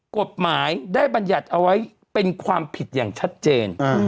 กฎหมายได้บรรยัติเอาไว้เป็นความผิดอย่างชัดเจน